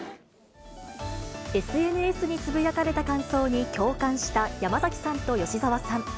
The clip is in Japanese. ＳＮＳにつぶやかれた感想に共感した山崎さんと吉沢さん。